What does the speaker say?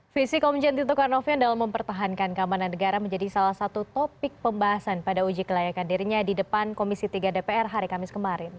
visi komjen tito karnavian dalam mempertahankan keamanan negara menjadi salah satu topik pembahasan pada uji kelayakan dirinya di depan komisi tiga dpr hari kamis kemarin